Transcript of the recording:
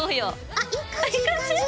あいい感じ！いい感じ？